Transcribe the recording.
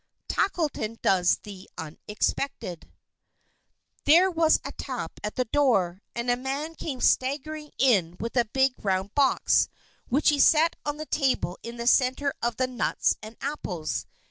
Tackleton Does the Unexpected There was a tap at the door, and a man came staggering in with a big round box, which he set on the table in the center of the nuts and apples.